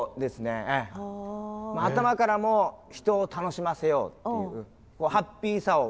頭からも人を楽しませようっていうハッピーさを醸し出したい。